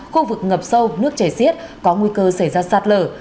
khu vực ngập sâu nước chảy xiết có nguy cơ xảy ra sạt lở